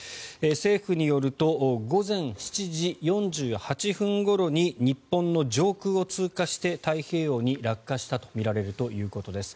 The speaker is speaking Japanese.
政府によると午前７時４８分ごろに日本の上空を通過して太平洋に落下したとみられるということです。